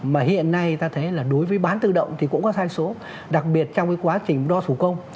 mà hiện nay ta thấy là đối với bán tự động thì cũng có sai số đặc biệt trong cái quá trình đo thủ công